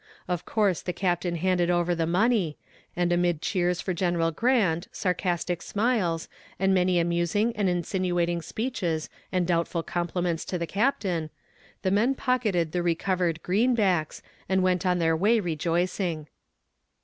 Of course the captain handed over the money, and amid cheers for General Grant, sarcastic smiles, and many amusing and insinuating speeches and doubtful compliments to the captain, the men pocketed the recovered "greenbacks," and went on their way rejoicing.